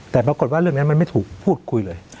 แต่ปรากฏว่าเรื่องนี้มันไม่ถูกพูดคุยเลย